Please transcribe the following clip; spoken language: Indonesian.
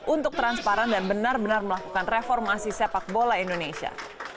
untuk transparan dan benar benar melakukan reformasi sepak bola indonesia